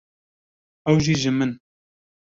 ew jî ji min.